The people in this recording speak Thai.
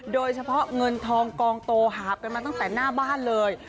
โดยเฉพาะเงินทองกองโตหาบกันมาตั้งแต่หน้าบ้านเลย